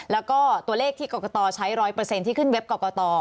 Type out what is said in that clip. แล้วก็ตัวเลขที่กรกตใช้๑๐๐ที่ขึ้นเว็บกรกต